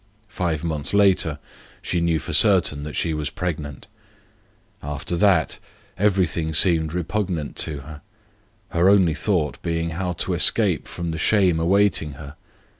Five months later she knew for certain that she was to be a mother. After that everything seemed repugnant to her, her only thought being how to escape from the shame that awaited her.